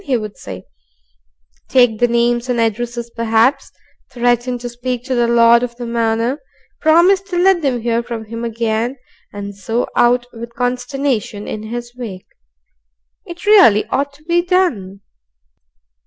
he would say; take the names and addresses perhaps, threaten to speak to the Lord of the Manor, promise to let them hear from him again, and so out with consternation in his wake. It really ought to be done.